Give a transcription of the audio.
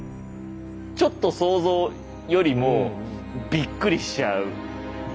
ちょっと想像よりもびっくりしちゃう。